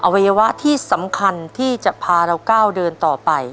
วัยวะที่สำคัญที่จะพาเราก้าวเดินต่อไป